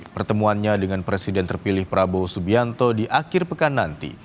pertemuannya dengan presiden terpilih prabowo subianto di akhir pekan nanti